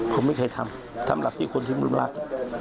ผมไม่เคยทำทำหลักที่คนที่รัก